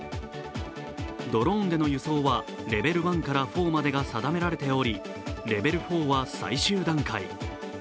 ドローンでの輸送はレベル１から４までが定められておりレベル４は最終段階。